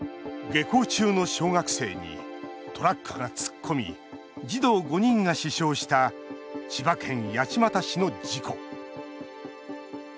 下校中の小学生にトラックが突っ込み児童５人が死傷した千葉県八街市の事故。